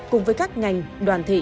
cùng với các ngành đoàn thể